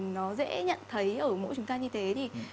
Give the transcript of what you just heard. nó dễ nhận thấy ở mỗi chúng ta như thế thì